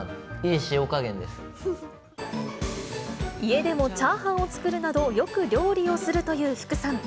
家でもチャーハンを作るなど、よく料理をするという福さん。